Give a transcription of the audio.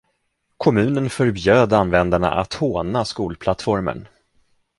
Kommunen förbjöd användarna att håna skolplattformen.